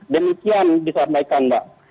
demikian disampaikan mbak